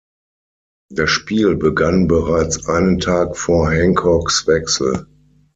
Das Spiel begann bereits einen Tag vor Hancocks Wechsel.